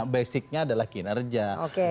basicnya adalah kinerja oke